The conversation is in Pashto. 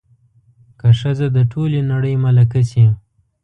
که ښځه د ټولې نړۍ ملکه شي